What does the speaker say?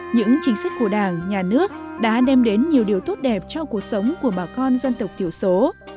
những chính sách của đảng nhà nước đã đem đến nhiều điều tốt đẹp cho cuộc sống của bà con dân tộc thiểu số